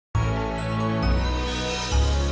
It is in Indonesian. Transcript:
sampai jumpa di video selanjutnya